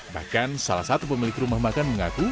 bahkan salah satu pemilik rumah makan mengaku